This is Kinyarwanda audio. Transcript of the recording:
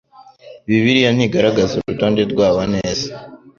bibiliya ntigaragaza urutonde rwabo neza